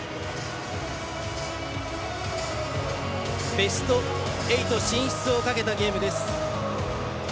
ベスト８進出をかけたゲームです。